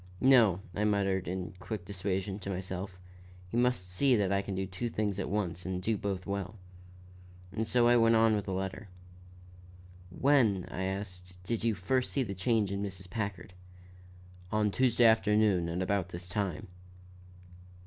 "No," I muttered in quick dissuasion, to myself. "He must see that I can do two things at once and do both well." And so I went on with the letter. "When," I asked, "did you first see the change in Mrs. Packard?" "On Tuesday afternoon at about this time."